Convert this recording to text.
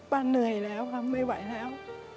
เหนื่อยแล้วค่ะไม่ไหวแล้ว